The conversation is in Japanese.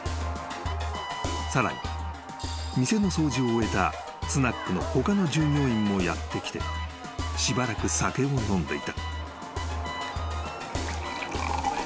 ［さらに店の掃除を終えたスナックの他の従業員もやって来てしばらく酒を飲んでいた］